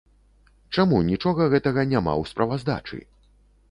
Чаму нічога гэтага няма ў справаздачы?